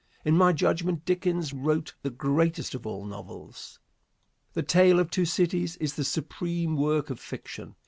In my judgment, Dickens wrote the greatest of all novels. "The Tale of Two Cities" is the supreme work of fiction.